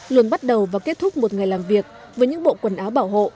luôn bắt đầu và kết thúc một ngày làm việc với những bộ quần áo bảo hộ